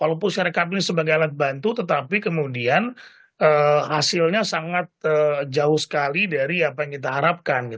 walaupun secara rekap ini sebagai alat bantu tetapi kemudian hasilnya sangat jauh sekali dari apa yang kita harapkan